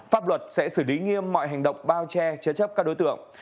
pháp luật sẽ xử lý nghiêm mọi hành động bao che chế chấp các đối tượng